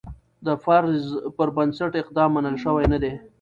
د فرض پر بنسټ اقدام منل شوی نه دی.